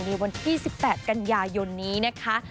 ในวันที่๑๘กันยายนนี้นะคะ